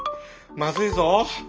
まずいぞ！